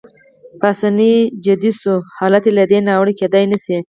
پاسیني جدي شو: حالت له دې ناوړه کېدای نه شي.